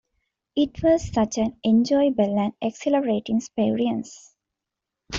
It was such an enjoyable and exhilarating experience ...